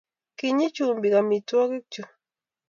Kinyei chumbik amitwogikchu